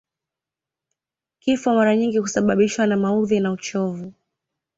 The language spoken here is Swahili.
Kifo mara nyingi huasababishwa na maudhi au uchovu